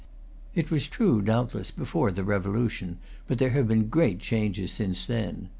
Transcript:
It was true, doubtless, before the Revolution; but there have been great changes since then.